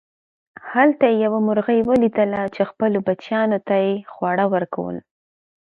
هلته یې یوه مرغۍ وليدله چې خپلو بچیانو ته یې خواړه ورکول.